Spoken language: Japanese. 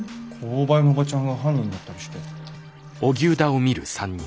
購買のおばちゃんが犯人だったりして。